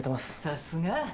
さすが。